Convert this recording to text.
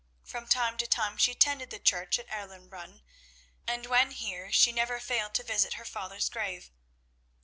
From time to time she attended the church at Erlenbrunn; and when here she never failed to visit her father's grave.